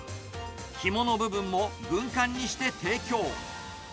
肝の部分も軍艦にして提供。